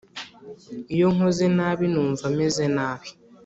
iyo nkoze nabi, numva meze nabi.